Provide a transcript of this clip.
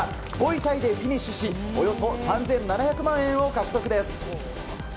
５位タイでフィニッシュしおよそ３７００万円を獲得です。